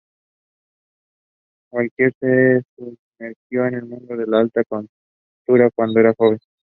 Gaultier se sumergió en el mundo de la alta costura cuando era muy joven.